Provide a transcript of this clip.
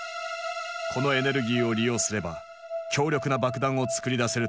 このエネルギーを利用すれば強力な爆弾をつくり出せると考えられたのだ。